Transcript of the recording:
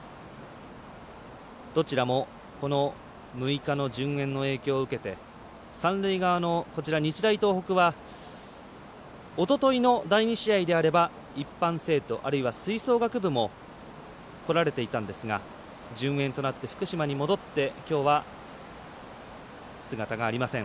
どちらも６日の順延の影響を受けて三塁側の日大東北はおとといの第２試合であれば一般生徒、あるいは吹奏楽部も来られていたんですが順延となって福島に戻ってきょうは、姿がありません。